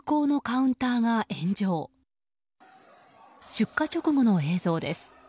出火直後の映像です。